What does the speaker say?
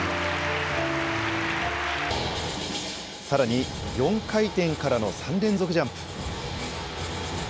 さらに４回転からの３連続ジャンプ。